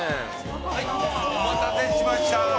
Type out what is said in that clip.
はい、お待たせしました。